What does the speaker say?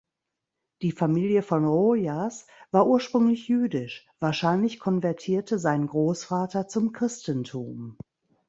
Die Familie von Rojas war ursprünglich jüdisch, wahrscheinlich konvertierte sein Großvater zum Christentum.